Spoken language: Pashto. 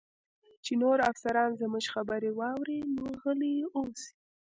چې نور افسران زموږ خبرې واوري، نو غلي اوسئ.